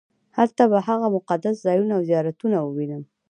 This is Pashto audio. هلته به هغه مقدس ځایونه او زیارتونه ووېنم.